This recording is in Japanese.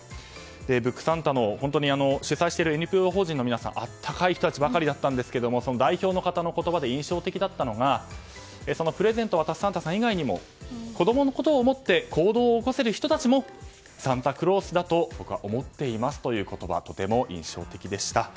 ブックサンタを主催しているＮＰＯ法人の皆さんは本当に温かい人たちばかりだったんですが代表の方の言葉で印象的だったのが、プレゼントを渡すサンタさん以外にも子供のことを思って行動を起こせる人たちもサンタクロースだと僕は思っていますという言葉がとても印象的でした。